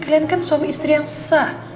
kalian kan suami istri yang sah